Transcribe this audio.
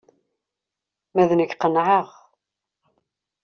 Ma d nekk, qenɛeɣ.